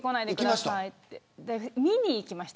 見に行きました。